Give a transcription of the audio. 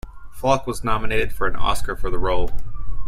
Falk was nominated for an Oscar for the role.